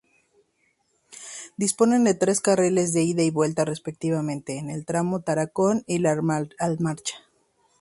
Dispone de tres carriles de ida y vuelta respectivamente, en el tramo Tarancón-La Almarcha.